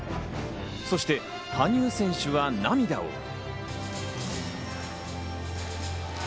そして羽生選手は涙を。